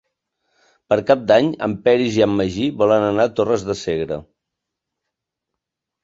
Per Cap d'Any en Peris i en Magí volen anar a Torres de Segre.